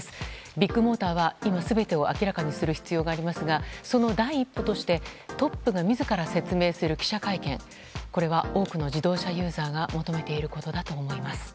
ビッグモーターは今、全てを明らかにする必要がありますがその第一歩としてトップが自ら説明する記者会見は多くの自動車ユーザーが求めていることだと思います。